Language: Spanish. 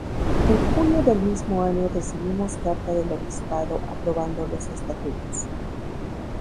En Junio del mismo año recibimos carta del Obispado aprobando los estatutos.